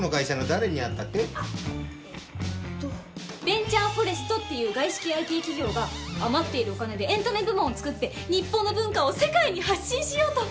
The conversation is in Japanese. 「ベンチャー・フォレスト」っていう外資系ＩＴ企業が余っているお金でエンタメ部門を作って日本の文化を世界に発信しようと。